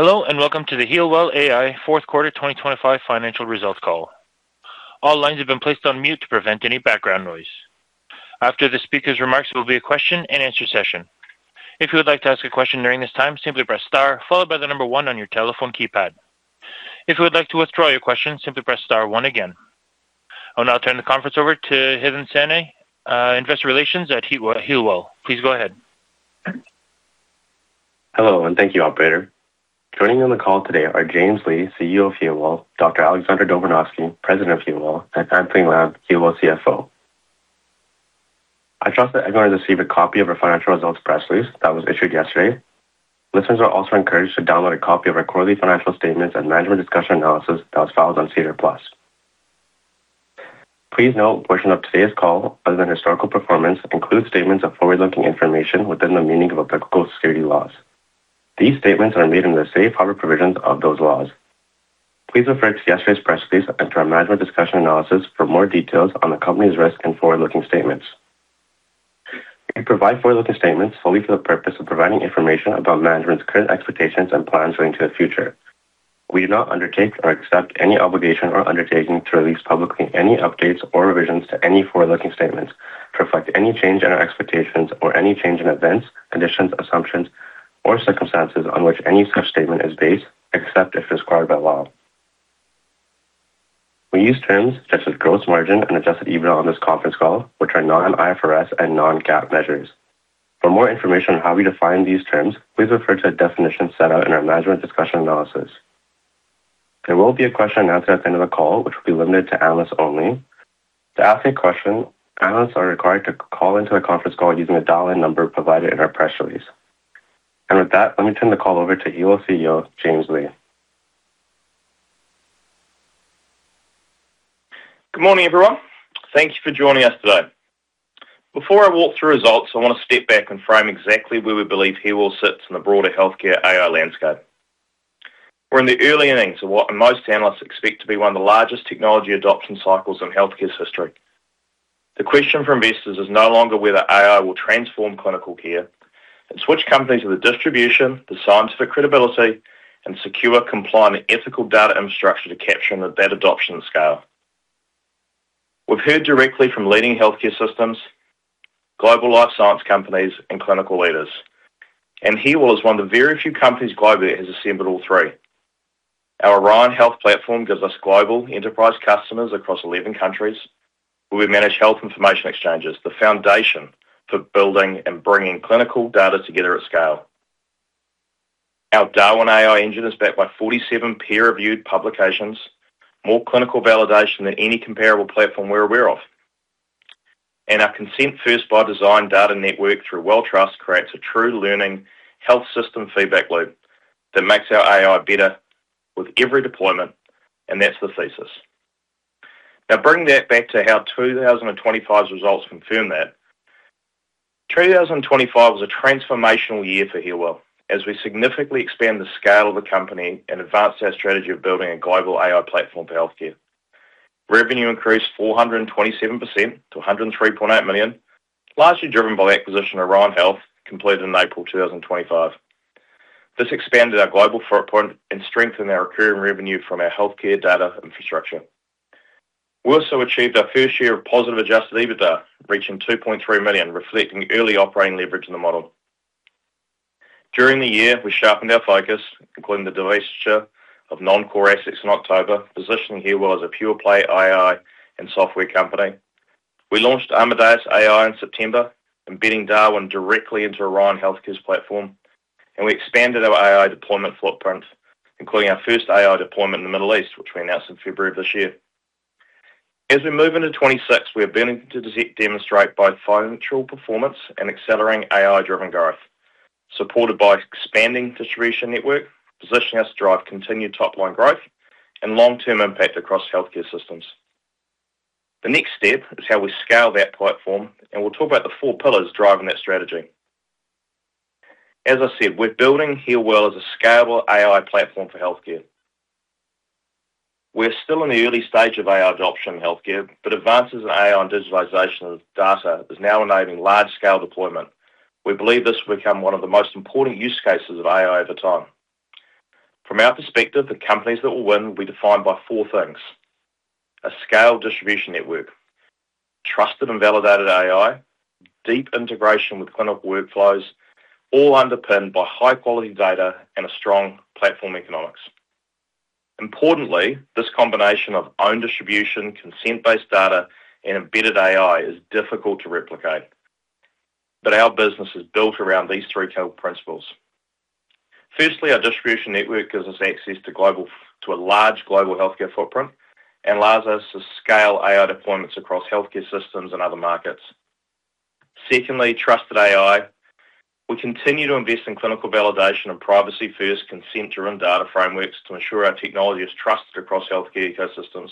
Hello, and welcome to the Healwell AI Fourth Quarter 2025 Financial Results Call. All lines have been placed on mute to prevent any background noise. After the speaker's remarks, there will be a question-and-answer session. If you would like to ask a question during this time, simply press star followed by the number one on your telephone keypad. If you would like to withdraw your question, simply press star one again. I'll now turn the conference over to Pardeep Sangha, Investor Relations at Healwell. Please go ahead. Hello, and thank you, operator. Joining on the call today are James Lee, CEO of Healwell AI, Dr. Alexander Dobranowski, President of Healwell AI, and Anthony Lam, CFO of Healwell AI. I trust that everyone has received a copy of our financial results press release that was issued yesterday. Listeners are also encouraged to download a copy of our quarterly financial statements and management discussion analysis that was filed on SEDAR+. Please note, a portion of today's call, other than historical performance, includes statements of forward-looking information within the meaning of applicable securities laws. These statements are made under the safe harbor provisions of those laws. Please refer to yesterday's press release and to our management discussion analysis for more details on the company's risk and forward-looking statements. We provide forward-looking statements solely for the purpose of providing information about management's current expectations and plans relating to the future. We do not undertake or accept any obligation or undertaking to release publicly any updates or revisions to any forward-looking statements to reflect any change in our expectations or any change in events, conditions, assumptions, or circumstances on which any such statement is based, except if required by law. We use terms such as gross margin and Adjusted EBITDA on this conference call, which are non-IFRS and non-GAAP measures. For more information on how we define these terms, please refer to the definition set out in our management's discussion and analysis. There will be a question and answer at the end of the call, which will be limited to analysts only. To ask a question, analysts are required to call into the conference call using the dial-in number provided in our press release. With that, let me turn the call over to Healwell AI CEO, James Lee. Good morning, everyone. Thank you for joining us today. Before I walk through results, I want to step back and frame exactly where we believe Healwell sits in the broader healthcare AI landscape. We're in the early innings of what most analysts expect to be one of the largest technology adoption cycles in healthcare's history. The question for investors is no longer whether AI will transform clinical care. It's which companies with the distribution, the scientific credibility, and secure compliant ethical data infrastructure to capture that adoption scale. We've heard directly from leading healthcare systems, global life science companies, and clinical leaders, and Healwell is one of the very few companies globally that has assembled all three. Our Orion Health platform gives us global enterprise customers across 11 countries, where we manage health information exchanges, the foundation for building and bringing clinical data together at scale. Our DARWEN AI engine is backed by 47 peer-reviewed publications, more clinical validation than any comparable platform we're aware of. Our consent first by design data network through Well Trust creates a true learning health system feedback loop that makes our AI better with every deployment, and that's the thesis. Now, bringing that back to how 2025's results confirm that. 2025 was a transformational year for Healwell as we significantly expand the scale of the company and advanced our strategy of building a global AI platform for healthcare. Revenue increased 427% to 103.8 million, largely driven by the acquisition of Orion Health completed in April 2025. This expanded our global footprint and strengthened our recurring revenue from our healthcare data infrastructure. We also achieved our first year of positive Adjusted EBITDA, reaching 2.3 million, reflecting early operating leverage in the model. During the year, we sharpened our focus, including the divestiture of non-core assets in October, positioning Healwell as a pure-play AI and software company. We launched Amadeus AI in September, embedding Darwin directly into Orion Health's platform, and we expanded our AI deployment footprint, including our first AI deployment in the Middle East, which we announced in February of this year. As we move into 2026, we are beginning to demonstrate both financial performance and accelerating AI-driven growth, supported by expanding distribution network, positioning us to drive continued top-line growth and long-term impact across healthcare systems. The next step is how we scale that platform, and we'll talk about the four pillars driving that strategy. As I said, we're building Healwell as a scalable AI platform for healthcare. We're still in the early stage of AI adoption in healthcare, but advances in AI and digitalization of data is now enabling large-scale deployment. We believe this will become one of the most important use cases of AI over time. From our perspective, the companies that will win will be defined by four things, a scaled distribution network, trusted and validated AI, deep integration with clinical workflows, all underpinned by high-quality data and a strong platform economics. Importantly, this combination of own distribution, consent-based data, and embedded AI is difficult to replicate. Our business is built around these three core principles. Firstly, our distribution network gives us access to a large global healthcare footprint and allows us to scale AI deployments across healthcare systems and other markets. Secondly, trusted AI. We continue to invest in clinical validation and privacy-first consent-to-run data frameworks to ensure our technology is trusted across healthcare ecosystems.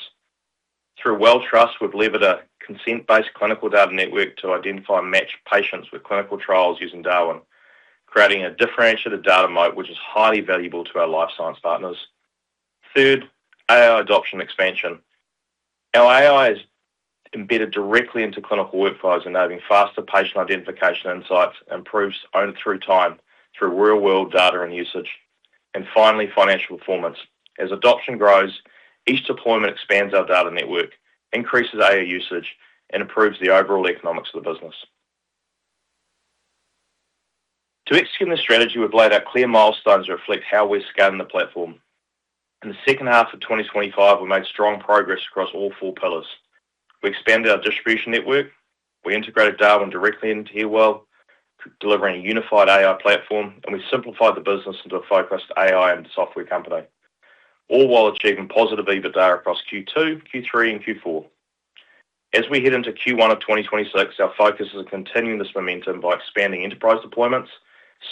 Through Well Trust, we've leveraged a consent-based clinical data network to identify and match patients with clinical trials using Darwin, creating a differentiated data moat which is highly valuable to our life science partners. Third, AI adoption expansion. Our AI is embedded directly into clinical workflows, enabling faster patient identification insights, improves outcomes over time through real-world data and usage. Finally, financial performance. As adoption grows, each deployment expands our data network, increases AI usage and improves the overall economics of the business. To execute this strategy, we've laid out clear milestones to reflect how we're scaling the platform. In the second half of 2025, we made strong progress across all four pillars. We expanded our distribution network. We integrated DARWEN directly into Healwell, delivering a unified AI platform, and we simplified the business into a focused AI and software company, all while achieving positive EBITDA across Q2, Q3, and Q4. As we head into Q1 of 2026, our focus is on continuing this momentum by expanding enterprise deployments,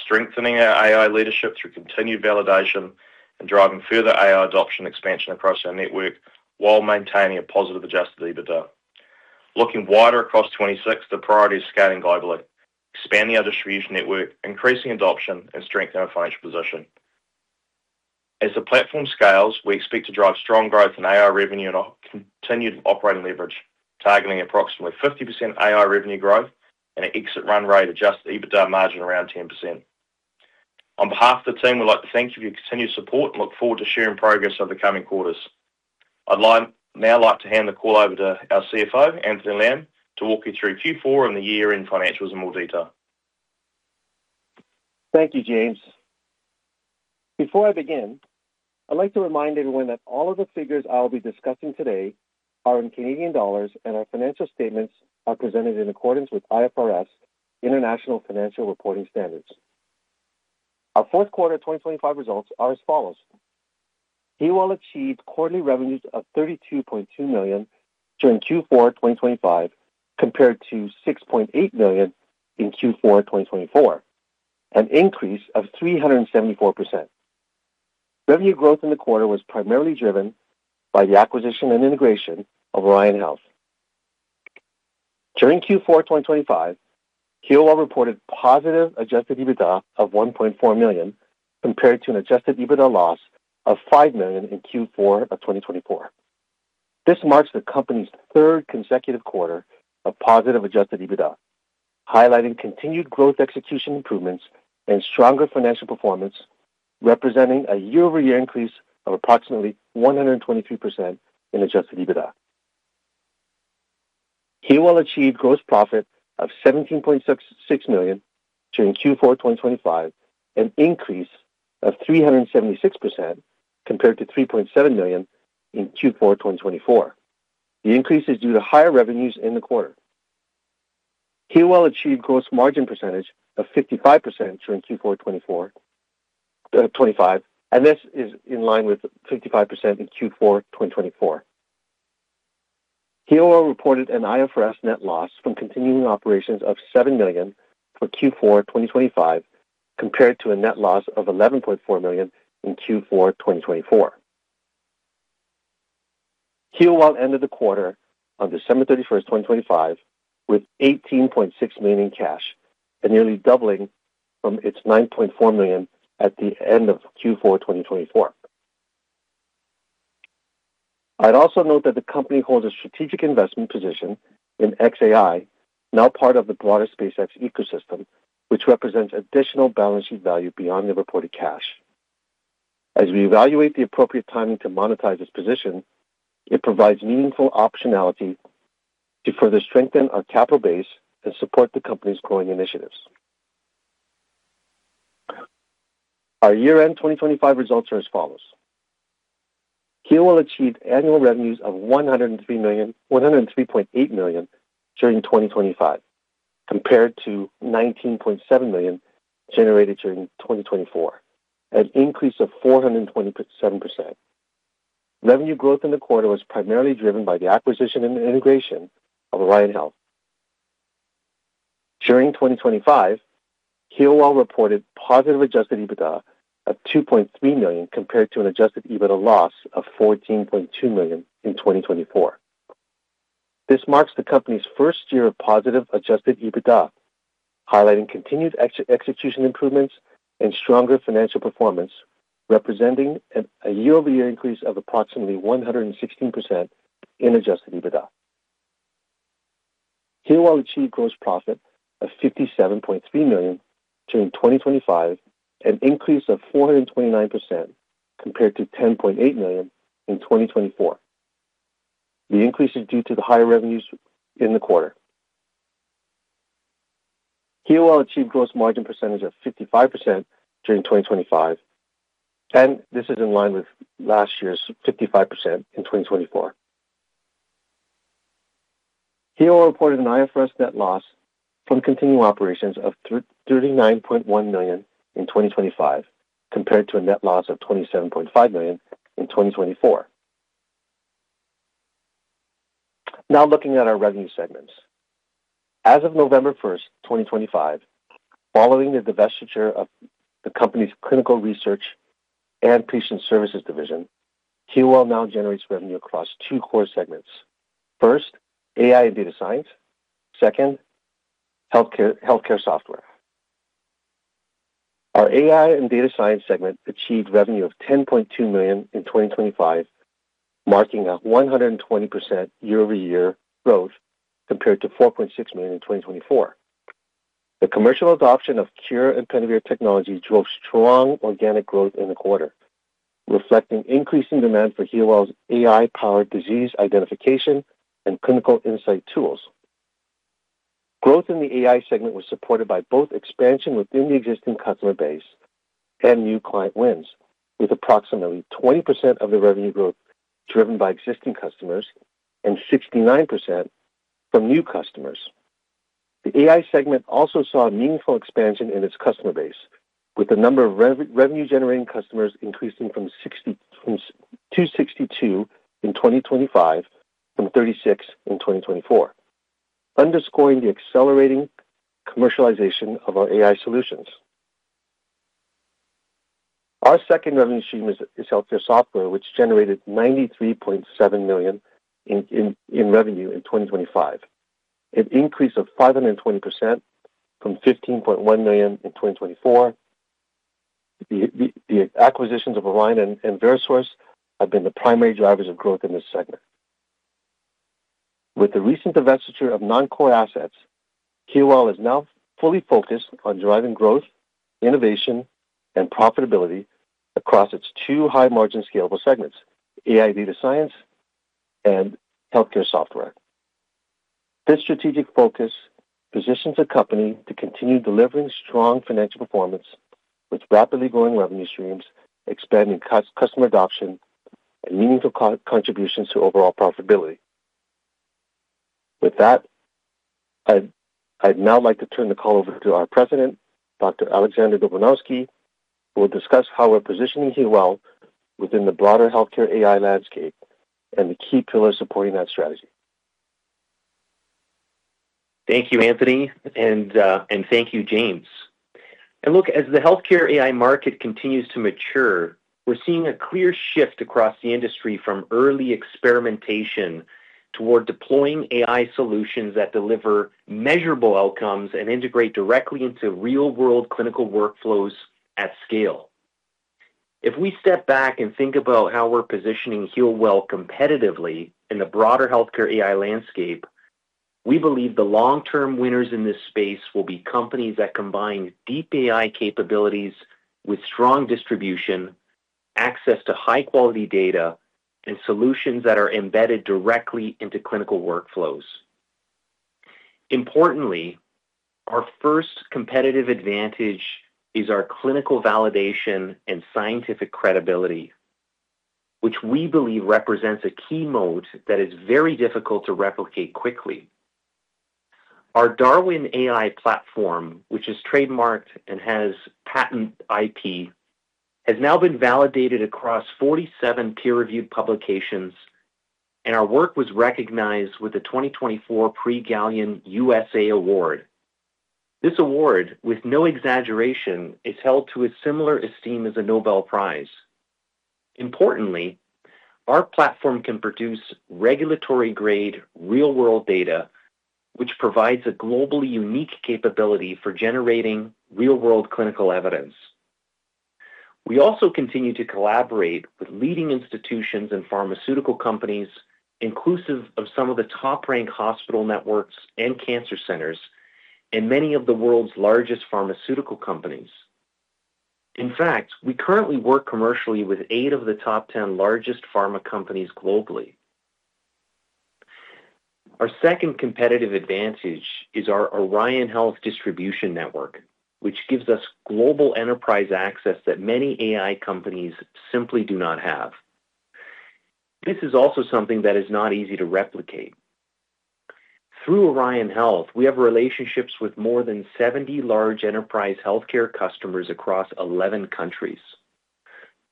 strengthening our AI leadership through continued validation and driving further AI adoption expansion across our network while maintaining a positive Adjusted EBITDA. Looking forward across 2026, the priority is scaling globally, expanding our distribution network, increasing adoption and strengthening our financial position. As the platform scales, we expect to drive strong growth in AI revenue and continued operating leverage, targeting approximately 50% AI revenue growth and an exit run rate Adjusted EBITDA margin around 10%. On behalf of the team, we'd like to thank you for your continued support and look forward to sharing progress over the coming quarters. I'd like now to hand the call over to our CFO, Anthony Lam, to walk you through Q4 and the year-end financials in more detail. Thank you, James. Before I begin, I'd like to remind everyone that all of the figures I'll be discussing today are in Canadian dollars, and our financial statements are presented in accordance with IFRS, International Financial Reporting Standards. Our fourth quarter 2025 results are as follows. Healwell achieved quarterly revenues of CAD 32.2 million during Q4 2025, compared to CAD 6.8 million in Q4 2024, an increase of 374%. Revenue growth in the quarter was primarily driven by the acquisition and integration of Orion Health. During Q4 2025, Healwell reported positive Adjusted EBITDA of 1.4 million, compared to an adjusted EBITDA loss of 5 million in Q4 of 2024. This marks the company's third consecutive quarter of positive Adjusted EBITDA, highlighting continued growth, execution improvements and stronger financial performance, representing a year-over-year increase of approximately 123% in Adjusted EBITDA. Healwell achieved gross profit of 17.66 million during Q4 2025, an increase of 376% compared to 3.7 million in Q4 2024. The increase is due to higher revenues in the quarter. Healwell achieved gross margin percentage of 55% during Q4 2025, and this is in line with 55% in Q4 2024. Healwell reported an IFRS net loss from continuing operations of 7 million for Q4 2025, compared to a net loss of 11.4 million in Q4 2024. Healwell ended the quarter on December 31st, 2025, with 18.6 million in cash and nearly doubling from its 9.4 million at the end of Q4 2024. I'd also note that the company holds a strategic investment position in xAI, now part of the broader SpaceX ecosystem, which represents additional balancing value beyond the reported cash. As we evaluate the appropriate timing to monetize this position, it provides meaningful optionality to further strengthen our capital base and support the company's growing initiatives. Our year-end 2025 results are as follows. Healwell achieved annual revenues of 103.8 million during 2025, compared to 19.7 million generated during 2024, an increase of 427%. Revenue growth in the quarter was primarily driven by the acquisition and integration of Orion Health. During 2025, Healwell reported positive Adjusted EBITDA of 2.3 million, compared to an Adjusted EBITDA loss of 14.2 million in 2024. This marks the company's first year of positive Adjusted EBITDA, highlighting continued execution improvements and stronger financial performance, representing a year-over-year increase of approximately 116% in Adjusted EBITDA. Healwell achieved gross profit of 57.3 million during 2025, an increase of 429% compared to 10.8 million in 2024. The increase is due to the higher revenues in the quarter. Healwell achieved gross margin percentage of 55% during 2025, and this is in line with last year's 55% in 2024. Healwell reported an IFRS net loss from continuing operations of 39.1 million in 2025, compared to a net loss of 27.5 million in 2024. Now looking at our revenue segments. As of November 1st, 2025, following the divestiture of the company's clinical research and patient services division, Healwell now generates revenue across two core segments. First, AI and data science. Second, healthcare software. Our AI and data science segment achieved revenue of 10.2 million in 2025, marking a 120% year-over-year growth compared to 4.6 million in 2024. The commercial adoption of Khure and Pentavere technology drove strong organic growth in the quarter, reflecting increasing demand for Healwell's AI-powered disease identification and clinical insight tools. Growth in the AI segment was supported by both expansion within the existing customer base and new client wins, with approximately 20% of the revenue growth driven by existing customers and 69% from new customers. The AI segment also saw a meaningful expansion in its customer base, with the number of revenue-generating customers increasing from 36 in 2024 to 62 in 2025, underscoring the accelerating commercialization of our AI solutions. Our second revenue stream is healthcare software, which generated 93.7 million in revenue in 2025, an increase of 520% from 15.1 million in 2024. The acquisitions of Orion and VeroSource have been the primary drivers of growth in this segment. With the recent divestiture of non-core assets, Healwell is now fully focused on driving growth, innovation, and profitability across its two high-margin scalable segments: AI data science and healthcare software. This strategic focus positions the company to continue delivering strong financial performance with rapidly growing revenue streams, expanding customer adoption, and meaningful contributions to overall profitability. With that, I'd now like to turn the call over to our President, Dr. Alexander Dobranowski, who will discuss how we're positioning Healwell within the broader healthcare AI landscape and the key pillars supporting that strategy. Thank you, Anthony, and thank you, James. Look, as the healthcare AI market continues to mature, we're seeing a clear shift across the industry from early experimentation toward deploying AI solutions that deliver measurable outcomes and integrate directly into real-world clinical workflows at scale. If we step back and think about how we're positioning Healwell competitively in the broader healthcare AI landscape, we believe the long-term winners in this space will be companies that combine deep AI capabilities with strong distribution, access to high-quality data, and solutions that are embedded directly into clinical workflows. Importantly, our first competitive advantage is our clinical validation and scientific credibility, which we believe represents a key moat that is very difficult to replicate quickly. Our DARWEN™ AI platform, which is trademarked and has patent IP, has now been validated across 47 peer-reviewed publications, and our work was recognized with the 2024 Prix Galien USA Award. This award, with no exaggeration, is held to a similar esteem as a Nobel Prize. Importantly, our platform can produce regulatory-grade real-world data, which provides a globally unique capability for generating real-world clinical evidence. We also continue to collaborate with leading institutions and pharmaceutical companies, inclusive of some of the top-ranked hospital networks and cancer centers and many of the world's largest pharmaceutical companies. In fact, we currently work commercially with eight of the top 10 largest pharma companies globally. Our second competitive advantage is our Orion Health distribution network, which gives us global enterprise access that many AI companies simply do not have. This is also something that is not easy to replicate. Through Orion Health, we have relationships with more than 70 large enterprise healthcare customers across 11 countries.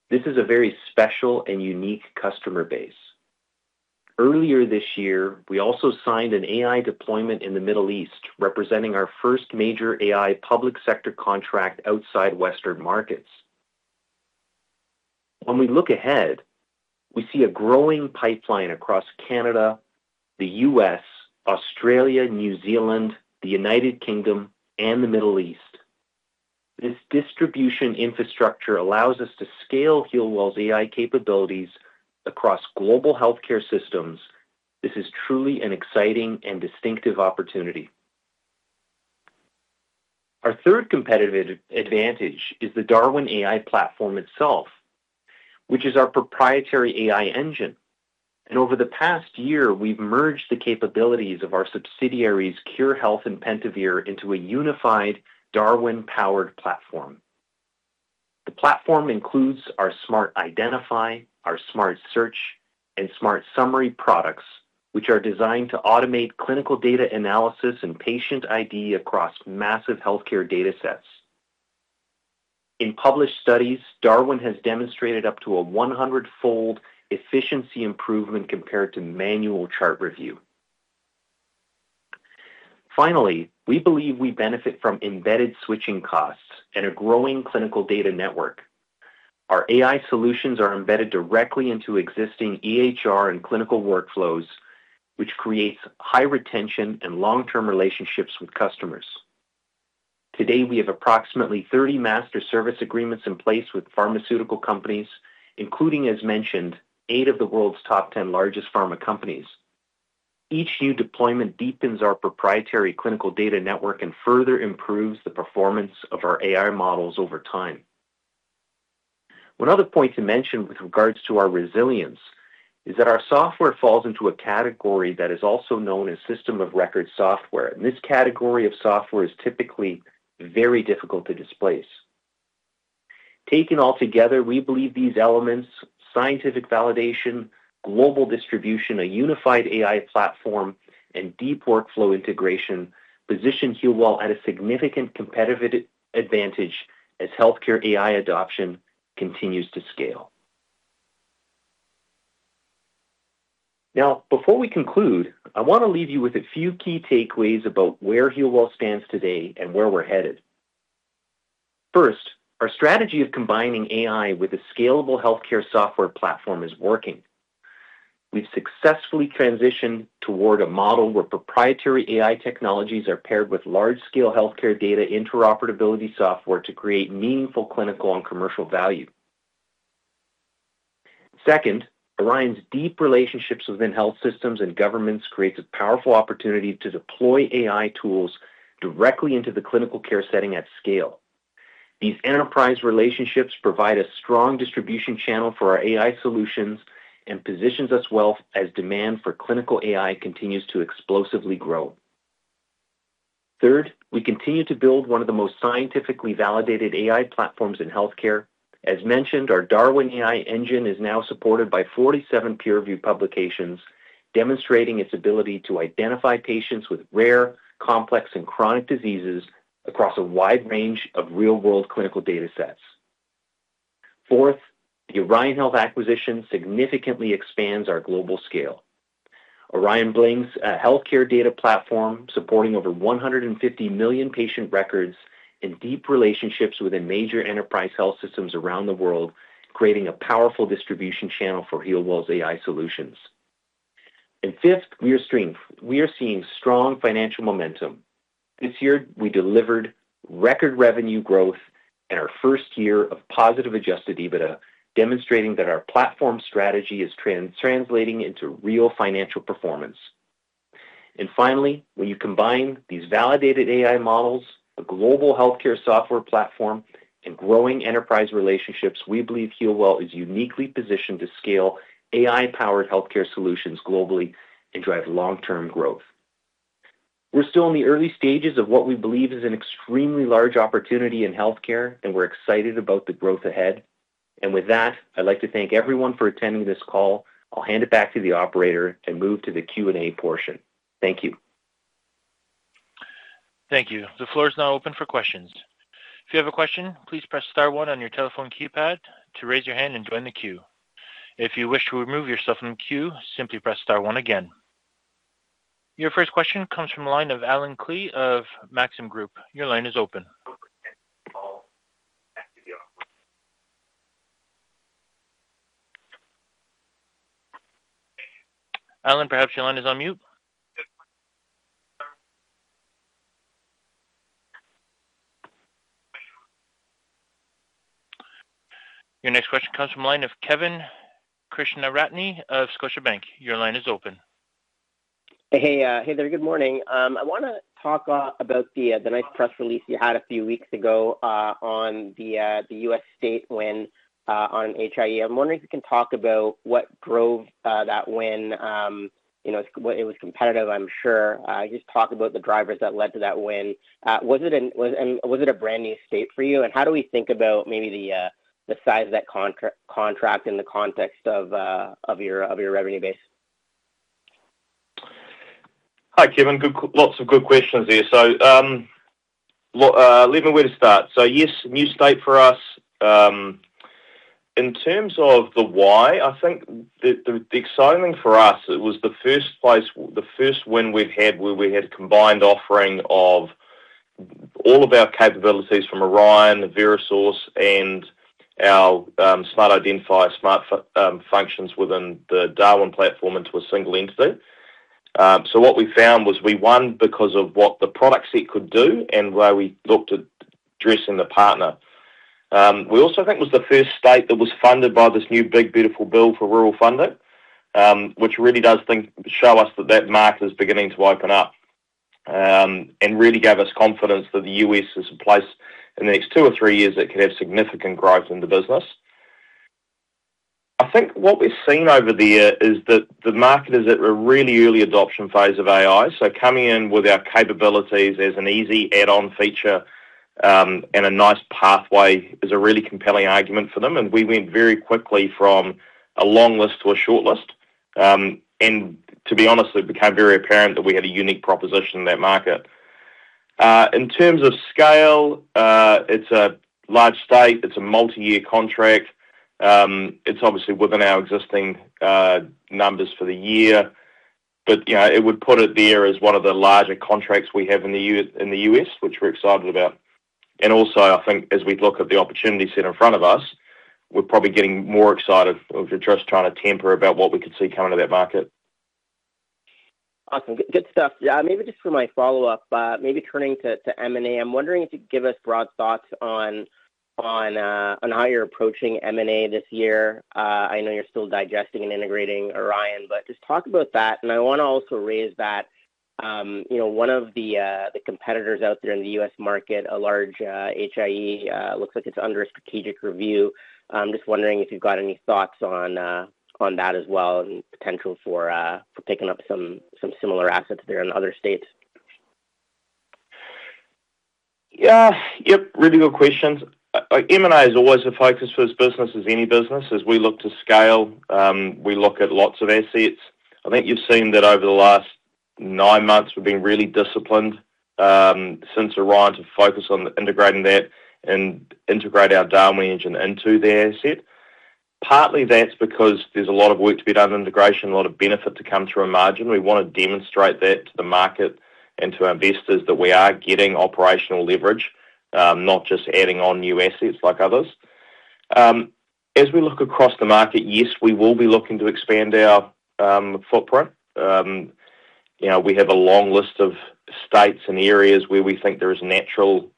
This is a very special and unique customer base. Earlier this year, we also signed an AI deployment in the Middle East, representing our first major AI public sector contract outside Western markets. When we look ahead, we see a growing pipeline across Canada, the U.S., Australia, New Zealand, the United Kingdom, and the Middle East. This distribution infrastructure allows us to scale Healwell's AI capabilities across global healthcare systems. This is truly an exciting and distinctive opportunity. Our third competitive advantage is the DARWEN™ AI platform itself, which is our proprietary AI engine. Over the past year, we've merged the capabilities of our subsidiaries, Khure Health and Pentavere, into a unified DARWEN™-powered platform. The platform includes our SMART Identify, our SMART Search, and SMART Summary products, which are designed to automate clinical data analysis and patient ID across massive healthcare datasets. In published studies, DARWEN™ has demonstrated up to a 100-fold efficiency improvement compared to manual chart review. Finally, wee believe we benefit from embedded switching costs and a growing clinical data network. Our AI solutions are embedded directly into existing EHR and clinical workflows, which creates high retention and long-term relationships with customers. Today, we have approximately 30 master service agreements in place with pharmaceutical companies, including, as mentioned, 8 of the world's top 10 largest pharma companies. Each new deployment deepens our proprietary clinical data network and further improves the performance of our AI models over time. Another point to mention with regards to our resilience is that our software falls into a category that is also known as system of record software, and this category of software is typically very difficult to displace. Taken altogether, we believe these elements, scientific validation, global distribution, a unified AI platform, and deep workflow integration position Healwell at a significant competitive advantage as healthcare AI adoption continues to scale. Now, before we conclude, I want to leave you with a few key takeaways about where Healwell stands today and where we're headed. First, our strategy of combining AI with a scalable healthcare software platform is working. We've successfully transitioned toward a model where proprietary AI technologies are paired with large-scale healthcare data interoperability software to create meaningful clinical and commercial value. Second, Orion Health's deep relationships within health systems and governments creates a powerful opportunity to deploy AI tools directly into the clinical care setting at scale. These enterprise relationships provide a strong distribution channel for our AI solutions and positions us well as demand for clinical AI continues to explosively grow. Third, we continue to build one of the most scientifically validated AI platforms in healthcare. As mentioned, our DARWEN™ AI engine is now supported by 47 peer-reviewed publications, demonstrating its ability to identify patients with rare, complex, and chronic diseases across a wide range of real-world clinical datasets. Fourth, the Orion Health acquisition significantly expands our global scale. Orion Health brings a healthcare data platform supporting over 150 million patient records in deep relationships within major enterprise health systems around the world, creating a powerful distribution channel for Healwell's AI solutions. Fifth, we are seeing strong financial momentum. This year, we delivered record revenue growth and our first year of positive Adjusted EBITDA, demonstrating that our platform strategy is translating into real financial performance. Finally, when you combine these validated AI models, a global healthcare software platform, and growing enterprise relationships, we believe Healwell is uniquely positioned to scale AI-powered healthcare solutions globally and drive long-term growth. We're still in the early stages of what we believe is an extremely large opportunity in healthcare, and we're excited about the growth ahead. With that, I'd like to thank everyone for attending this call. I'll hand it back to the operator and move to the Q&A portion. Thank you. Thank you. The floor is now open for questions. If you have a question, please press star one on your telephone keypad to raise your hand and join the queue. If you wish to remove yourself from the queue, simply press star one again. Your first question comes from the line of Allen Klee of Maxim Group. Your line is open. Allen, perhaps your line is on mute. Your next question comes from line of Kevin Krishnaratne of Scotiabank. Your line is open. Hey there. Good morning. I wanna talk about the nice press release you had a few weeks ago on the U.S. state win on HIE. I'm wondering if you can talk about what drove that win. You know, it was competitive, I'm sure. Just talk about the drivers that led to that win. Was it a brand new state for you? How do we think about maybe the size of that contract in the context of your revenue base? Hi, Kevin. Lots of good questions there. Let me know where to start. Yes, new state for us. In terms of the why, I think the exciting for us, it was the first win we've had where we had a combined offering of all of our capabilities from Orion, the VeroSource, and our SMART Identify, SMART functions within the DARWEN™ platform into a single entity. What we found was we won because of what the product set could do and the way we looked at addressing the partner. We also think it was the first state that was funded by this new big, beautiful bill for rural funding, which really does show us that market is beginning to open up, and really gave us confidence that the U.S. is a place in the next two or three years that could have significant growth in the business. I think what we're seeing over there is that the market is at a really early adoption phase of AI, so coming in with our capabilities as an easy add-on feature, and a nice pathway is a really compelling argument for them, and we went very quickly from a long list to a short list. To be honest, it became very apparent that we had a unique proposition in that market. In terms of scale, it's a large state. It's a multi-year contract. It's obviously within our existing numbers for the year. You know, it would put it there as one of the larger contracts we have in the U.S., which we're excited about. Also, I think as we look at the opportunity set in front of us, we're probably getting more excited. We're just trying to temper about what we could see coming to that market. Awesome. Good stuff. Yeah, maybe just for my follow-up, maybe turning to M&A. I'm wondering if you give us broad thoughts on how you're approaching M&A this year. I know you're still digesting and integrating Orion, but just talk about that. I wanna also raise that, you know, one of the competitors out there in the U.S. market, a large HIE, looks like it's under a strategic review. I'm just wondering if you've got any thoughts on that as well and potential for picking up some similar assets there in other states. Yeah. Yep, really good questions. M&A is always a focus for this business as any business. As we look to scale, we look at lots of assets. I think you've seen that over the last nine months, we've been really disciplined, since Orion to focus on integrating that and integrate our DARWEN™ engine into their asset. Partly that's because there's a lot of work to be done in integration, a lot of benefit to come through a margin. We wanna demonstrate that to the market and to our investors that we are getting operational leverage, not just adding on new assets like others. As we look across the market, yes, we will be looking to expand our footprint. You know, we have a long list of states and areas where we think there is natural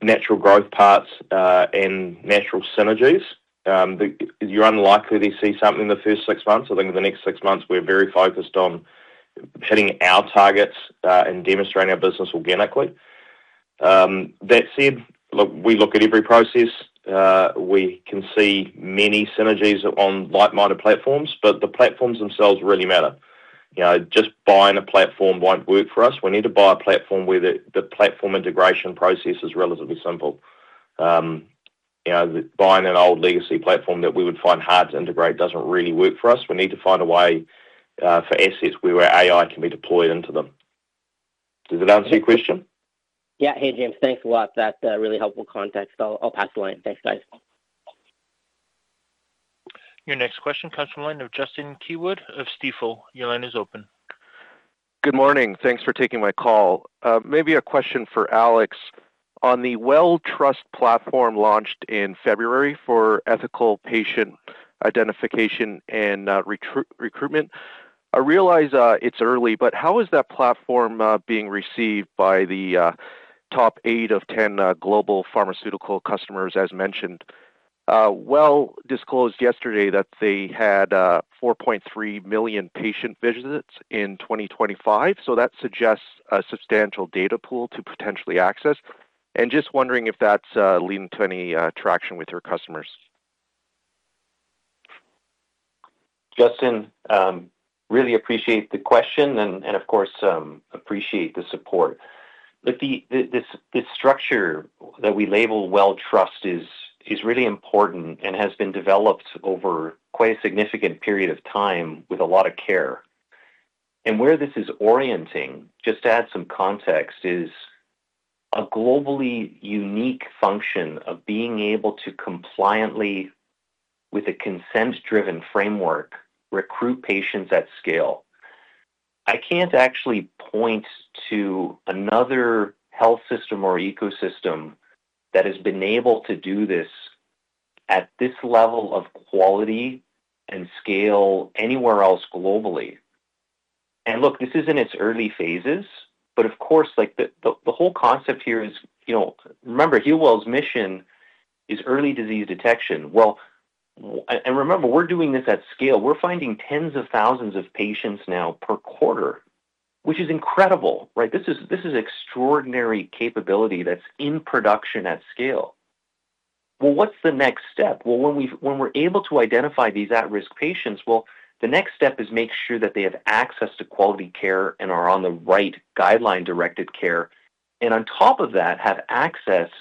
growth paths and natural synergies. You're unlikely to see something in the first six months. I think in the next six months we're very focused on hitting our targets, and demonstrating our business organically. That said, look, we look at every process. We can see many synergies on like-minded platforms, but the platforms themselves really matter. You know, just buying a platform won't work for us. We need to buy a platform where the platform integration process is relatively simple. You know, buying an old legacy platform that we would find hard to integrate doesn't really work for us. We need to find a way for assets where our AI can be deployed into them. Does it answer your question? Yeah. Hey, James. Thanks a lot. That's really helpful context. I'll pass the line. Thanks, guys. Your next question comes from the line of Justin Keywood of Stifel. Your line is open. Good morning. Thanks for taking my call. Maybe a question for Alex. On the Well Trust platform launched in February for ethical patient identification and recruitment, I realize it's early, but how is that platform being received by the top eight of 10 global pharmaceutical customers as mentioned? Healwell disclosed yesterday that they had 4.3 million patient visits in 2025, so that suggests a substantial data pool to potentially access. Just wondering if that's leading to any traction with your customers. Justin, really appreciate the question and of course appreciate the support. Look, this structure that we label Well Trust is really important and has been developed over quite a significant period of time with a lot of care. Where this is orienting, just to add some context, is a globally unique function of being able to compliantly, with a consent-driven framework, recruit patients at scale. I can't actually point to another health system or ecosystem that has been able to do this at this level of quality and scale anywhere else globally. Look, this is in its early phases, but of course, like, the whole concept here is, you know, remember, Healwell's mission is early disease detection. Well, and remember, we're doing this at scale. We're finding tens of thousands of patients now per quarter, which is incredible, right? This is extraordinary capability that's in production at scale. Well, what's the next step? Well, when we're able to identify these at-risk patients, well, the next step is make sure that they have access to quality care and are on the right guideline-directed care and on top of that, have access to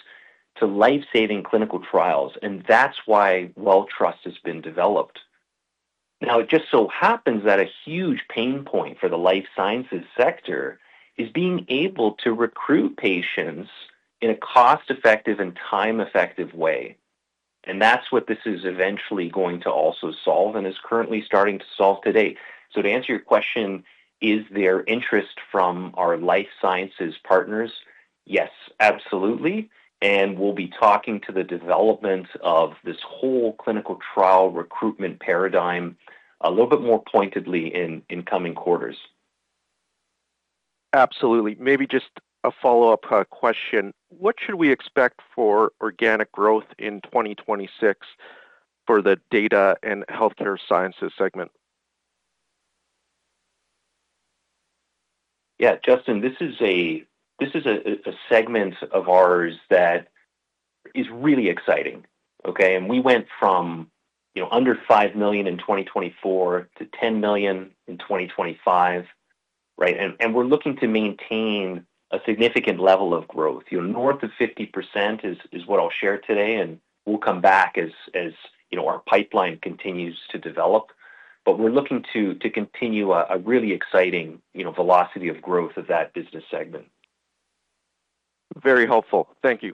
life-saving clinical trials. That's why Well Trust has been developed. Now, it just so happens that a huge pain point for the life sciences sector is being able to recruit patients in a cost-effective and time-effective way. That's what this is eventually going to also solve and is currently starting to solve today. To answer your question, is there interest from our life sciences partners? Yes, absolutely. We'll be talking to the development of this whole clinical trial recruitment paradigm a little bit more pointedly in incoming quarters. Absolutely. Maybe just a follow-up question. What should we expect for organic growth in 2026 for the data and healthcare sciences segment? Yeah, Justin, this is a segment of ours that is really exciting, okay? We went from, you know, under 5 million in 2024 to 10 million in 2025, right? We're looking to maintain a significant level of growth. You know, north of 50% is what I'll share today, and we'll come back as, you know, our pipeline continues to develop. We're looking to continue a really exciting, you know, velocity of growth of that business segment. Very helpful. Thank you.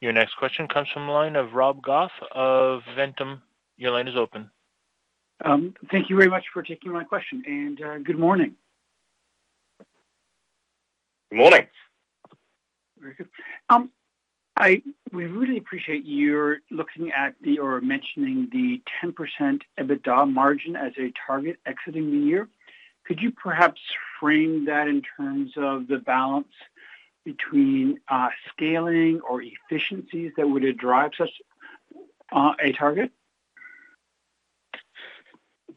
Your next question comes from the line of Rob Goff of Ventum. Your line is open. Thank you very much for taking my question, and good morning. Good morning. Very good. We really appreciate your looking at the, or mentioning the 10% EBITDA margin as a target exiting the year. Could you perhaps frame that in terms of the balance between scaling or efficiencies that would drive such a target?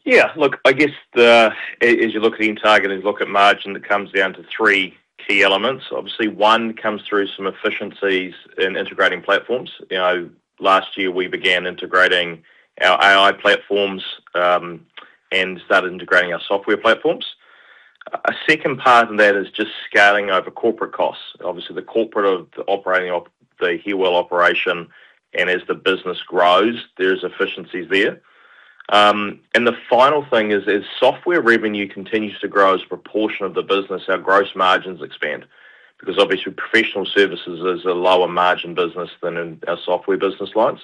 Yeah. Look, I guess as you're looking at targets and margins, it comes down to three key elements. Obviously, one comes through some efficiencies in integrating platforms. You know, last year, we began integrating our AI platforms and started integrating our software platforms. A second part in that is just scaling our corporate costs. Obviously, the corporate costs of operating the Healwell operation, and as the business grows, there's efficiencies there. And the final thing is, as software revenue continues to grow as a proportion of the business, our gross margins expand. Because obviously, professional services is a lower margin business than our software business lines.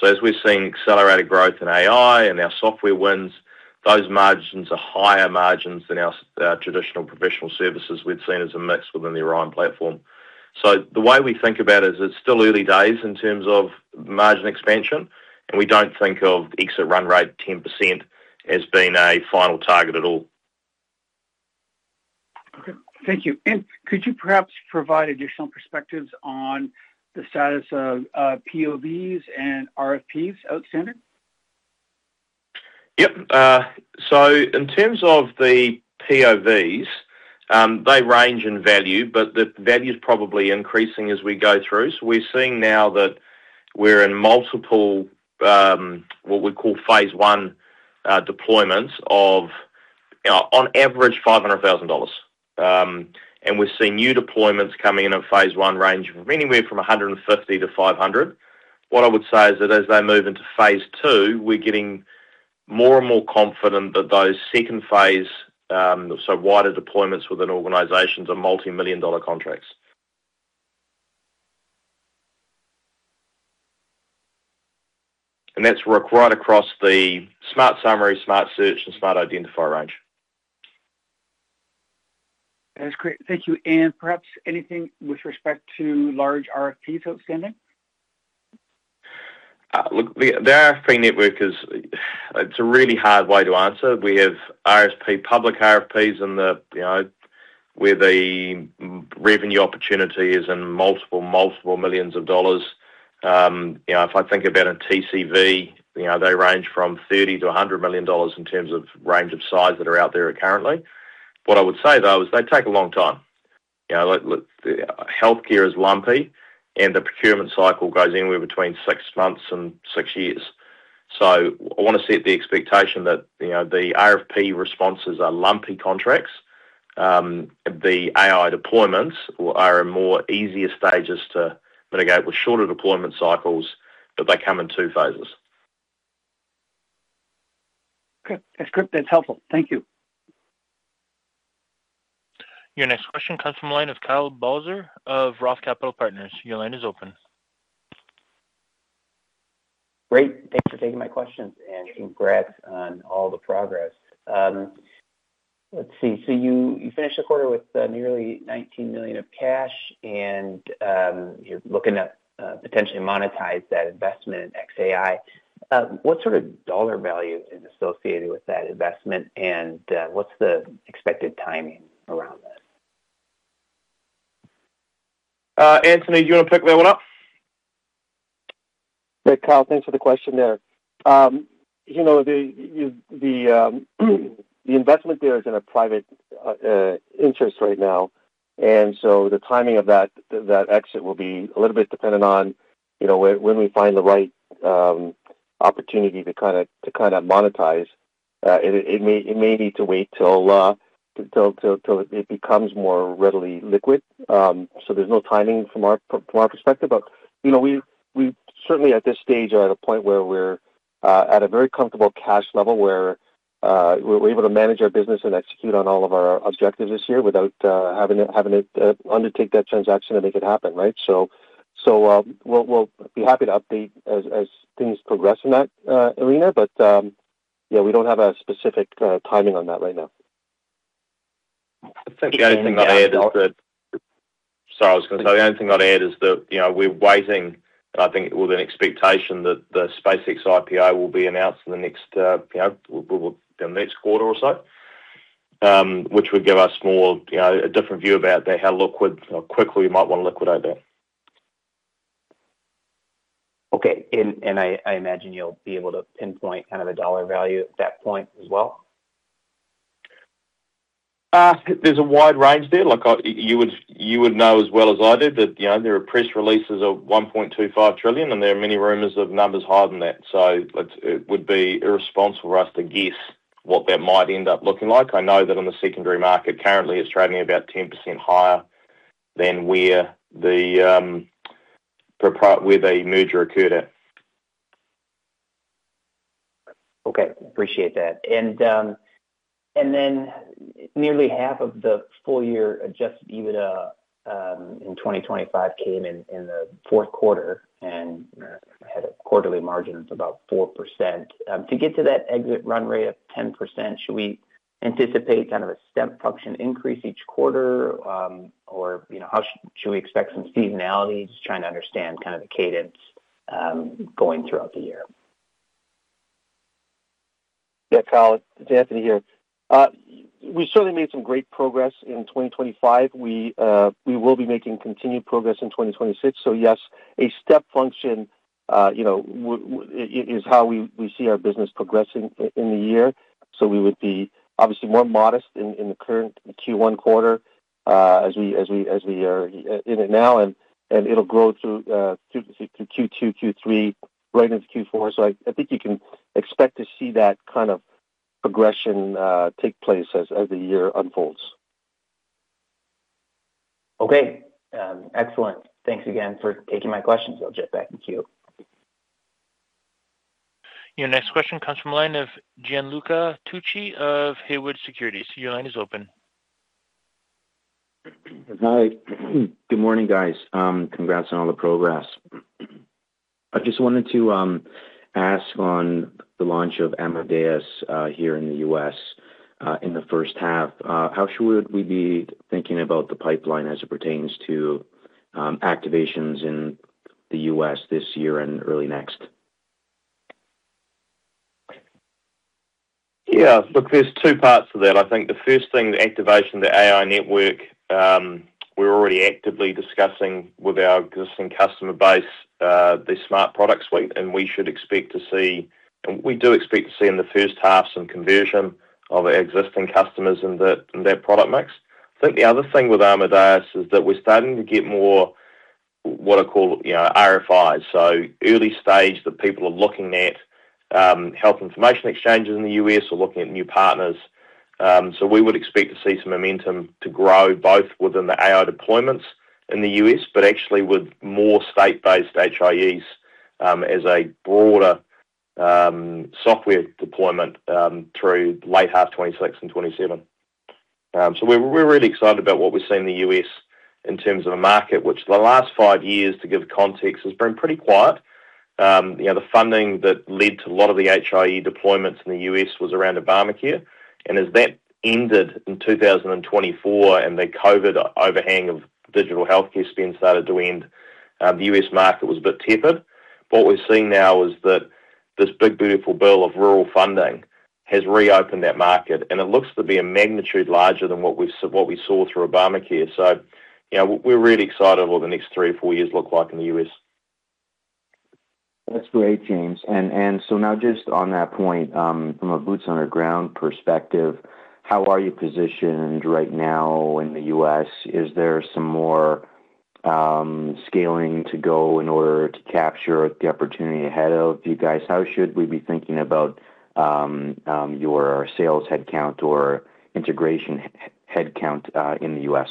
So as we're seeing accelerated growth in AI and our software wins, those margins are higher margins than our traditional professional services we've seen as a mix within the Orion platform. The way we think about it is it's still early days in terms of margin expansion, and we don't think of exit run rate 10% as being a final target at all. Okay. Thank you. Could you perhaps provide additional perspectives on the status of POVs and RFPs outstanding? Yep. In terms of the POVs, they range in value, but the value is probably increasing as we go through. We're seeing now that we're in multiple, what we call phase I, deployments of, on average, 500,000 dollars. We're seeing new deployments coming in at phase I range from anywhere from 150,000-500,000. What I would say is that as they move into phase II, we're getting more and more confident that those second phase, wider deployments within organizations are multi-million CAD contracts. That's required across the SMART Summary, SMART Search, and SMART Identify range. That's great. Thank you. Perhaps anything with respect to large RFPs outstanding? Look, the RFP network is. It's a really hard way to answer. We have RFP, public RFPs in the, you know, where the revenue opportunity is in multiple millions of dollars. You know, if I think about it in TCV, you know, they range from $30 million-$100 million in terms of range of size that are out there currently. What I would say, though, is they take a long time. You know, like, look, the healthcare is lumpy and the procurement cycle goes anywhere between six months and six years. I wanna set the expectation that, you know, the RFP responses are lumpy contracts. The AI deployments are in easier stages to mitigate with shorter deployment cycles, but they come in two phases. Okay. That's great. That's helpful. Thank you. Your next question comes from the line of Kyle Bauser of Roth Capital Partners. Your line is open. Great. Thanks for taking my questions, and congrats on all the progress. You finished the quarter with nearly 19 million of cash and you're looking at potentially monetize that investment in xAI. What sort of dollar value is associated with that investment? What's the expected timing around that? Anthony, do you wanna pick that one up? Yeah, Kyle, thanks for the question there. You know, the investment there is in a private interest right now. The timing of that exit will be a little bit dependent on, you know, when we find the right opportunity to kinda monetize. It may need to wait till it becomes more readily liquid. There's no timing from our perspective. You know, we certainly at this stage are at a point where we're at a very comfortable cash level where we're able to manage our business and execute on all of our objectives this year without having it undertake that transaction to make it happen, right? We'll be happy to update as things progress in that arena. Yeah, we don't have a specific timing on that right now. Sorry, the only thing I'd add is that, you know, we're waiting, I think, with an expectation that the SpaceX IPO will be announced in the next, you know, within the next quarter or so, which would give us more, you know, a different view about how liquid or how quickly we might wanna liquidate. Okay. I imagine you'll be able to pinpoint kind of a dollar value at that point as well. There's a wide range there. Like, you would know as well as I do that, you know, there are press releases of $1.25 trillion, and there are many rumors of numbers higher than that. It would be irresponsible for us to guess what that might end up looking like. I know that on the secondary market, currently, it's trading about 10% higher than where the merger occurred at. Appreciate that. Then nearly half of the full-year Adjusted EBITDA in 2025 came in in the fourth quarter and had a quarterly margin of about 4%. To get to that exit run rate of 10%, should we anticipate kind of a step function increase each quarter, or, you know, how should we expect some seasonality? Just trying to understand kind of the cadence going throughout the year. Yeah, Kyle, it's Anthony here. We certainly made some great progress in 2025. We will be making continued progress in 2026. Yes, a step function is how we see our business progressing in the year. We would be obviously more modest in the current Q1 quarter, as we are in it now and it'll grow through to Q2, Q3, right into Q4. I think you can expect to see that kind of progression take place as the year unfolds. Okay. Excellent. Thanks again for taking my questions though, Jeff. Back in queue. Your next question comes from the line of Gianluca Tucci of Haywood Securities. Your line is open. Hi. Good morning, guys. Congrats on all the progress. I just wanted to ask on the launch of Amadeus here in the U.S. in the first half. How should we be thinking about the pipeline as it pertains to activations in the U.S. this year and early next? Yeah. Look, there's two parts to that. I think the first thing, the activation, the AI network, we're already actively discussing with our existing customer base, the SMART product suite. We do expect to see in the first half some conversion of our existing customers in that product mix. I think the other thing with Amadeus AI is that we're starting to get more, what I call, you know, RFIs. Early stage that people are looking at, health information exchanges in the U.S. or looking at new partners. We would expect to see some momentum to grow both within the AI deployments in the U.S., but actually with more state-based HIEs, as a broader software deployment, through late half 2026 and 2027. We're really excited about what we've seen in the U.S. in terms of a market, which the last five years, to give context, has been pretty quiet. You know, the funding that led to a lot of the HIE deployments in the U.S. was around Obamacare. As that ended in 2024 and the COVID overhang of digital healthcare spend started to end, the U.S. market was a bit tepid. What we're seeing now is that this big beautiful bill of rural funding has reopened that market, and it looks to be a magnitude larger than what we saw through Obamacare. You know, we're really excited what the next three or four years look like in the U.S. That's great, James. Now just on that point, from a boots on the ground perspective, how are you positioned right now in the U.S.? Is there some more scaling to go in order to capture the opportunity ahead of you guys? How should we be thinking about your sales headcount or integration headcount in the U.S.?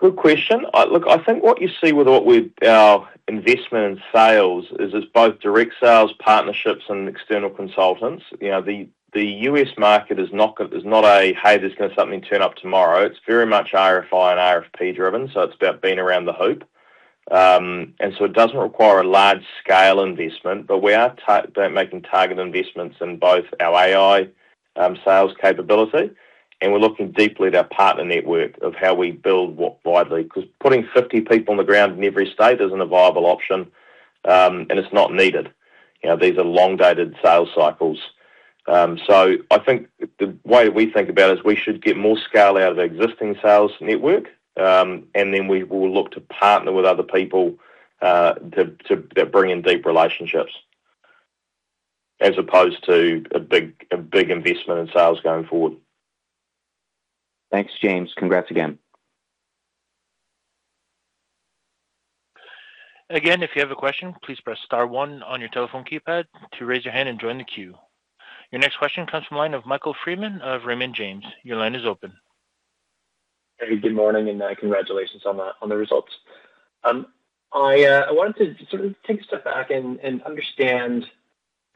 Good question. Look, I think what you see with our investment in sales is it's both direct sales, partnerships, and external consultants. You know, the U.S. market is not a "Hey, there's gonna be something turn up tomorrow." It's very much RFI and RFP-driven, so it's about being around the hoop. It doesn't require a large scale investment, but we are making target investments in both our AI sales capability, and we're looking deeply at our partner network of how we build more widely. 'Cause putting 50 people on the ground in every state isn't a viable option, and it's not needed. You know, these are long-dated sales cycles. I think the way we think about it is we should get more scale out of the existing sales network, and then we will look to partner with other people that bring in deep relationships as opposed to a big investment in sales going forward. Thanks, James. Congrats again. Again, if you have a question, please press star one on your telephone keypad to raise your hand and join the queue. Your next question comes from the line of Michael Freeman of Raymond James. Your line is open. Hey, good morning, and congratulations on the results. I wanted to sort of take a step back and understand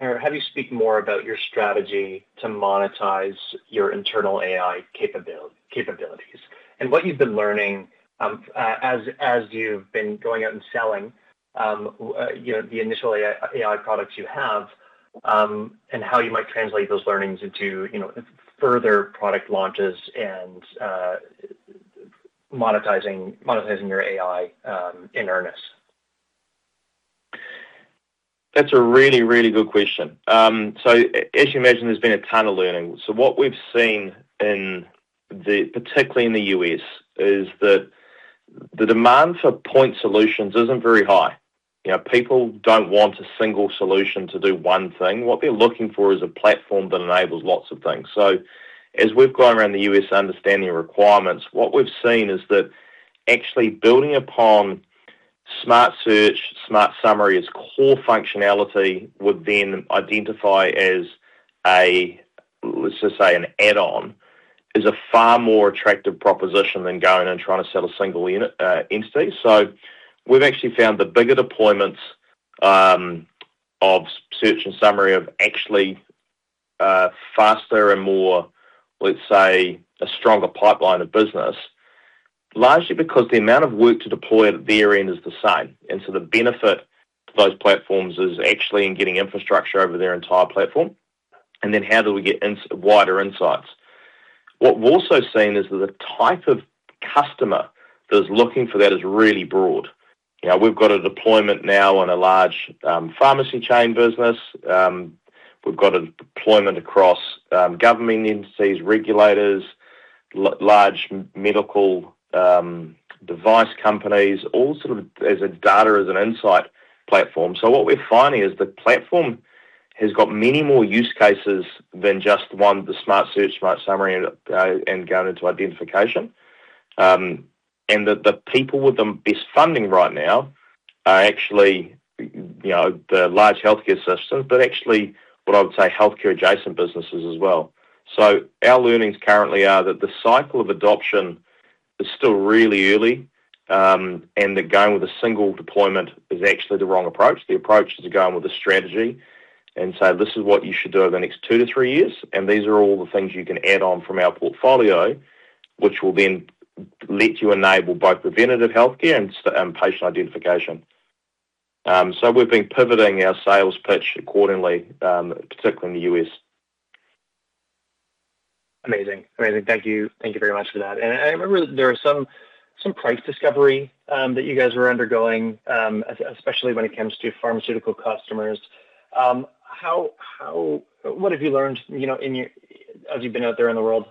or have you speak more about your strategy to monetize your internal AI capabilities. What you've been learning as you've been going out and selling, you know, the initial AI products you have, and how you might translate those learnings into, you know, further product launches and monetizing your AI in earnest. That's a really, really good question. As you imagine, there's been a ton of learning. What we've seen, particularly in the U.S., is that the demand for point solutions isn't very high. You know, people don't want a single solution to do one thing. What they're looking for is a platform that enables lots of things. As we've gone around the U.S. understanding requirements, what we've seen is that actually building upon SMART Search, SMART Summary as core functionality would then SMART Identify as, let's just say, an add-on is a far more attractive proposition than going and trying to sell a single unit, entity. We've actually found the bigger deployments of SMART Search and SMART Summary are actually faster and more, let's say, a stronger pipeline of business, largely because the amount of work to deploy at their end is the same. The benefit to those platforms is actually in getting infrastructure over their entire platform. How do we get wider insights? What we're also seeing is that the type of customer that is looking for that is really broad. You know, we've got a deployment now on a large pharmacy chain business. We've got a deployment across government entities, regulators, large medical device companies, all sort of as a data insight platform. What we're finding is the platform has got many more use cases than just one, the SMART Search, SMART Summary, and going into SMART Identify. The people with the best funding right now are actually, you know, the large healthcare systems, but actually what I would say, healthcare-adjacent businesses as well. Our learnings currently are that the cycle of adoption is still really early, and that going with a single deployment is actually the wrong approach. The approach is going with a strategy and say, "This is what you should do over the next two, three years, and these are all the things you can add on from our portfolio, which will then let you enable both preventative healthcare and patient identification." We've been pivoting our sales pitch accordingly, particularly in the U.S. Amazing. Thank you very much for that. I remember there are some price discovery that you guys were undergoing, especially when it comes to pharmaceutical customers. What have you learned, you know, as you've been out there in the world,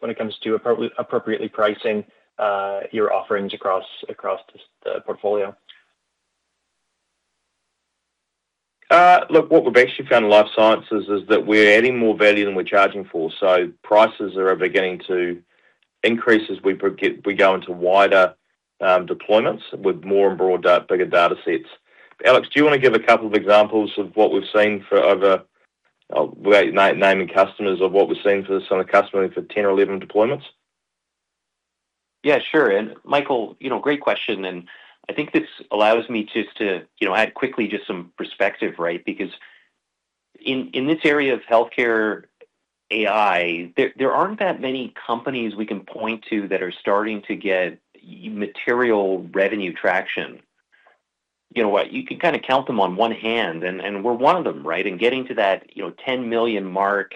when it comes to appropriately pricing your offerings across this, the portfolio? Look, what we've actually found in life sciences is that we're adding more value than we're charging for. Prices are beginning to increase as we go into wider deployments with more and broader, bigger data sets. Alex, do you wanna give a couple of examples of what we've seen for over without naming customers of what we've seen for some of the customers for 10 or 11 deployments? Yeah, sure. Michael, you know, great question, and I think this allows me just to, you know, add quickly just some perspective, right? Because in this area of healthcare AI, there aren't that many companies we can point to that are starting to get material revenue traction. You know what? You can kinda count them on one hand and we're one of them, right? Getting to that, you know, 10 million mark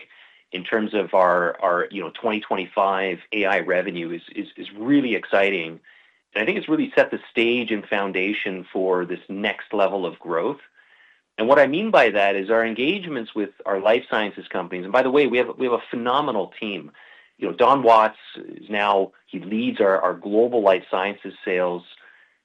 in terms of our 2025 AI revenue is really exciting. I think it's really set the stage and foundation for this next level of growth. What I mean by that is our engagements with our life sciences companies. By the way, we have a phenomenal team. You know, Don Watts now leads our global life sciences sales,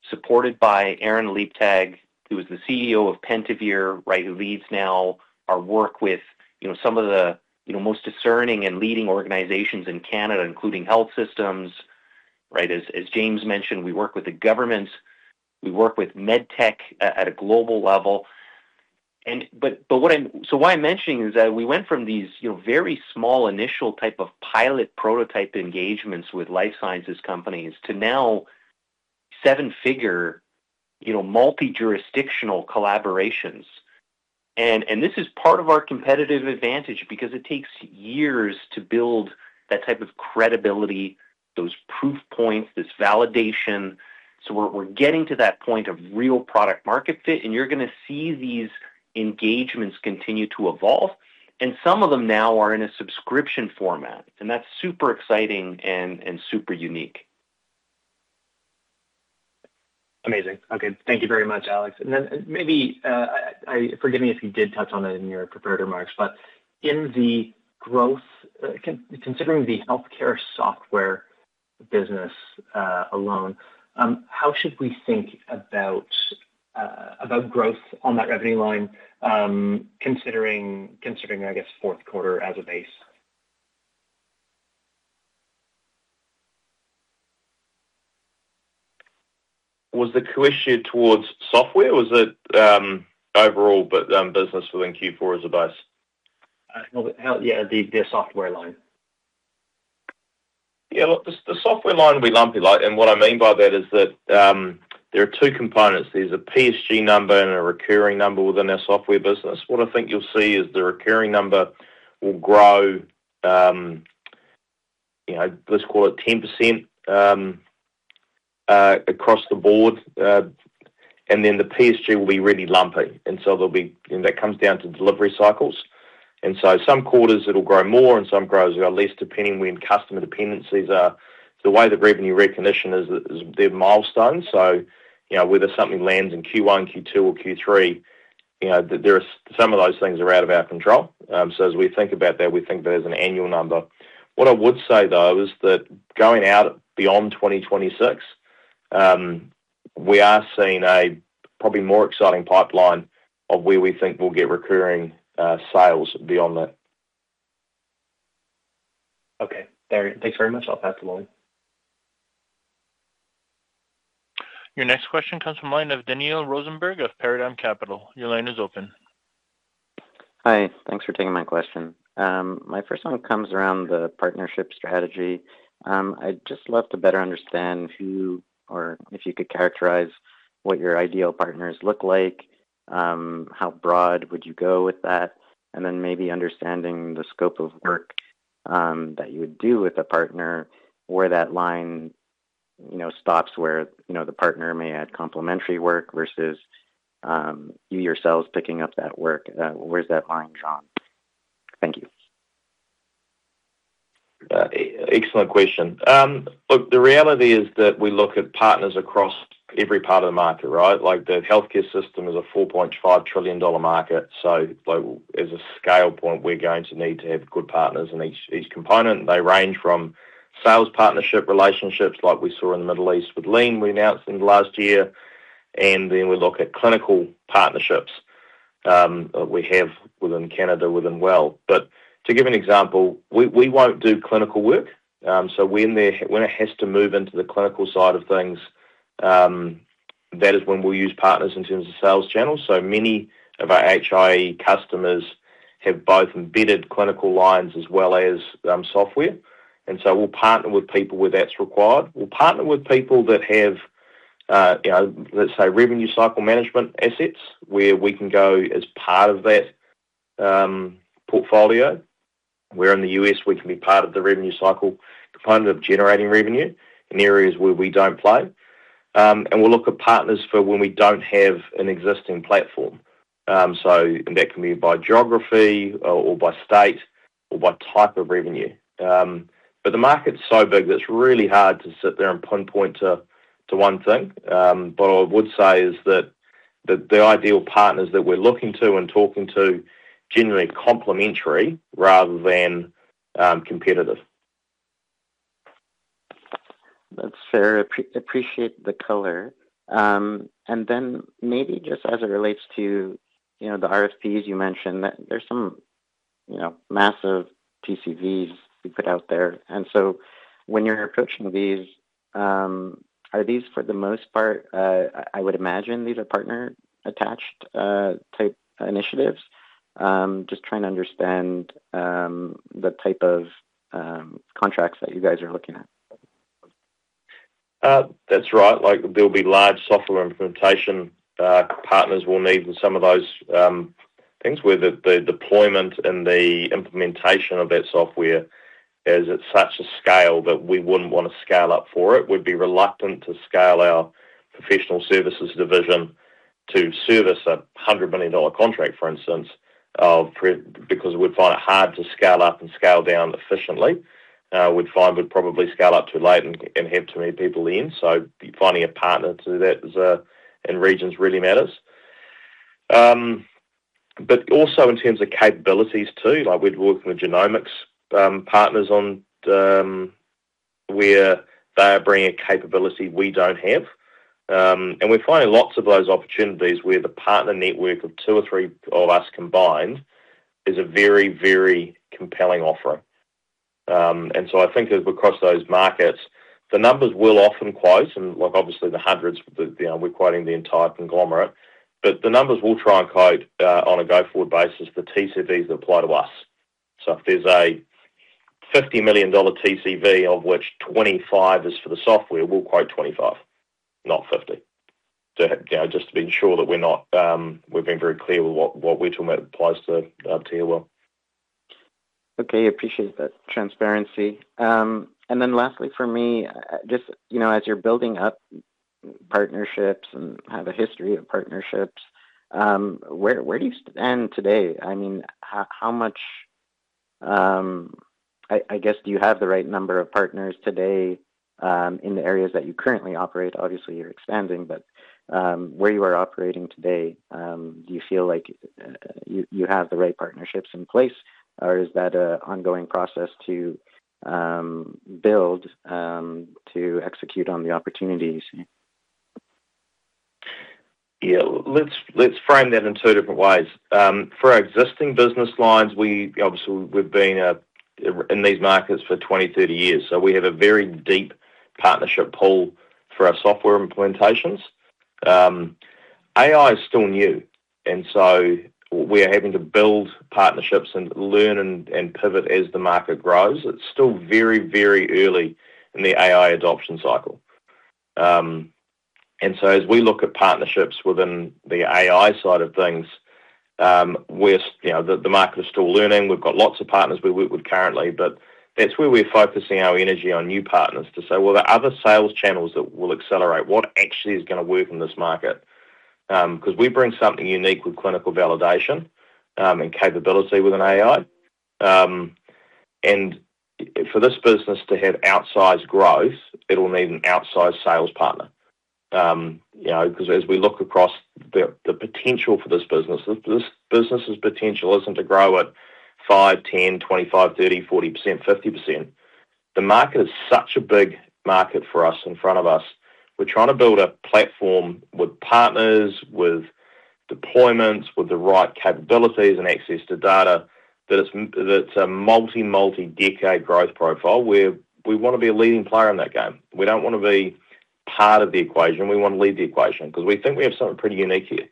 supported by Aaron Leibtag, who was the CEO of Pentavere, right, who leads now our work with, you know, some of the, you know, most discerning and leading organizations in Canada, including health systems, right? As James mentioned, we work with the governments, we work with med tech at a global level. What I'm mentioning is that we went from these, you know, very small initial type of pilot prototype engagements with life sciences companies to now seven-figure, you know, multi-jurisdictional collaborations. This is part of our competitive advantage because it takes years to build that type of credibility, those proof points, this validation. We're getting to that point of real product market fit, and you're gonna see these engagements continue to evolve, and some of them now are in a subscription format, and that's super exciting and super unique. Amazing. Okay. Thank you very much, Alex. Then maybe, forgive me if you did touch on it in your prepared remarks, but in the growth considering the healthcare software business alone, how should we think about growth on that revenue line considering, I guess, fourth quarter as a base? Was the question towards software or was it, overall but, business within Q4 as a base? No. Yeah, the software line. Yeah, look, the software line will be lumpy. Like, what I mean by that is that, there are two components. There's a PSG number and a recurring number within our software business. What I think you'll see is the recurring number will grow, you know, let's call it 10%, across the board. Then the PSG will be really lumpy. There'll be that comes down to delivery cycles. Some quarters it'll grow more and some quarters it'll grow less, depending when customer dependencies are. The way the revenue recognition is, they're milestones. You know, whether something lands in Q1, Q2 or Q3, you know, there are some of those things are out of our control. So as we think about that, we think that as an annual number. What I would say, though, is that going out beyond 2026, we are seeing a probably more exciting pipeline of where we think we'll get recurring sales beyond that. Okay. Thanks very much. I'll pass to Lloyd. Your next question comes from line of Daniel Rosenberg of Paradigm Capital. Your line is open. Hi. Thanks for taking my question. My first one comes around the partnership strategy. I'd just love to better understand who or if you could characterize what your ideal partners look like, how broad would you go with that? Maybe understanding the scope of work, that you would do with a partner, where that line, you know, stops, where, you know, the partner may add complementary work versus, you yourselves picking up that work. Where's that line drawn? Thank you. Excellent question. Look, the reality is that we look at partners across every part of the market, right? Like, the healthcare system is a $4.5 trillion market. Like, as a scale point, we're going to need to have good partners in each component. They range from sales partnership relationships like we saw in the Middle East with Lean we announced in the last year, and then we look at clinical partnerships, we have within Canada, within Well. To give an example, we won't do clinical work. When it has to move into the clinical side of things, that is when we'll use partners in terms of sales channels. Many of our HIE customers have both embedded clinical lines as well as software. We'll partner with people where that's required. We'll partner with people that have, you know, let's say, revenue cycle management assets, where we can go as part of that, portfolio, where in the U.S. we can be part of the revenue cycle component of generating revenue in areas where we don't play. We'll look at partners for when we don't have an existing platform. That can be by geography or by state or by type of revenue. The market's so big, that it's really hard to sit there and pinpoint to one thing. What I would say is that the ideal partners that we're looking to and talking to generally complementary rather than competitive. That's fair. Appreciate the color. Maybe just as it relates to, you know, the RFPs you mentioned, that there's some, you know, massive TCVs you put out there. When you're approaching these, are these for the most part, I would imagine these are partner attached, type initiatives? Just trying to understand, the type of, contracts that you guys are looking at. That's right. Like, there'll be large software implementation partners will need in some of those things where the deployment and the implementation of that software is at such a scale that we wouldn't wanna scale up for it. We'd be reluctant to scale our Professional Services division to service a 100 million dollar contract, for instance, because we'd find it hard to scale up and scale down efficiently. We'd find we'd probably scale up too late and have too many people then. Finding a partner to do that is in regions really matters. But also in terms of capabilities too, like we're working with genomics partners on where they are bringing a capability we don't have. We're finding lots of those opportunities where the partner network of two or three of us combined is a very, very compelling offering. I think as we cross those markets, the numbers will often close and like obviously the hundreds, you know, we're quoting the entire conglomerate, but the numbers we'll try and quote, on a go-forward basis for TCVs that apply to us. If there's a 50 million dollar TCV of which 25 is for the software, we'll quote 25, not 50 to have, you know, just to ensure that we're not, we're being very clear with what we're talking about applies to Healwell. Okay. Appreciate that transparency. Lastly for me, just, you know, as you're building up partnerships and have a history of partnerships, where do you stand today? I mean, how much, I guess, do you have the right number of partners today, in the areas that you currently operate? Obviously, you're expanding, but where you are operating today, do you feel like you have the right partnerships in place or is that a ongoing process to build to execute on the opportunities? Yeah. Let's frame that in two different ways. For our existing business lines, we obviously, we've been in these markets for 20, 30 years, so we have a very deep partnership pool for our software implementations. AI is still new, and so we are having to build partnerships and learn and pivot as the market grows. It's still very, very early in the AI adoption cycle. As we look at partnerships within the AI side of things, we're you know, the market is still learning. We've got lots of partners we work with currently, but that's where we're focusing our energy on new partners to say, "Well, are there other sales channels that will accelerate what actually is gonna work in this market?" 'Cause we bring something unique with clinical validation and capability with an AI. For this business to have outsized growth, it'll need an outsized sales partner. You know, 'cause as we look across the potential for this business, this business' potential isn't to grow at 5, 10, 25, 30, 40, 50%. The market is such a big market for us, in front of us. We're trying to build a platform with partners, with deployments, with the right capabilities and access to data that's a multi-decade growth profile where we wanna be a leading player in that game. We don't wanna be part of the equation. We wanna lead the equation 'cause we think we have something pretty unique here.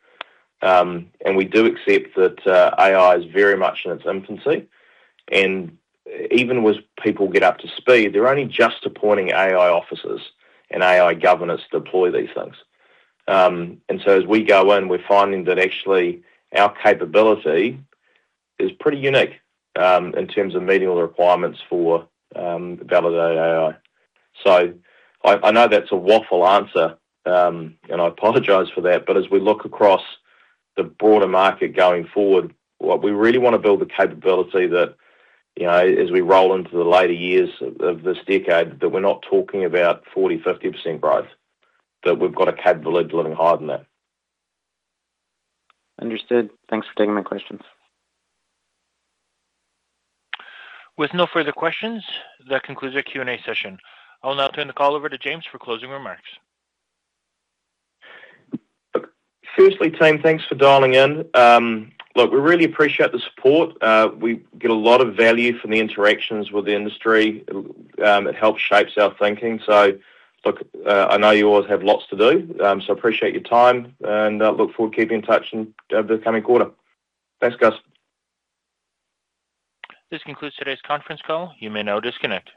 We do accept that AI is very much in its infancy. Even with people get up to speed, they're only just appointing AI officers and AI governors to deploy these things. As we go in, we're finding that actually our capability is pretty unique in terms of meeting all the requirements for validated AI. I know that's a waffle answer, and I apologize for that. As we look across the broader market going forward, what we really wanna build the capability that, you know, as we roll into the later years of this decade, that we're not talking about 40%-50% growth, that we've got a capability to living higher than that. Understood. Thanks for taking my questions. With no further questions, that concludes our Q&A session. I'll now turn the call over to James for closing remarks. Look, firstly team, thanks for dialing in. Look, we really appreciate the support. We get a lot of value from the interactions with the industry. It helps shapes our thinking. Look, I know you always have lots to do, so appreciate your time and look forward to keeping in touch in the coming quarter. Thanks, guys. This concludes today's conference call. You may now disconnect.